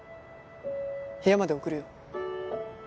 部屋まで送るよ。